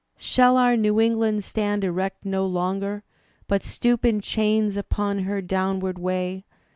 Shall our New England stand erect no longer. But stoop in chains upon her downward way.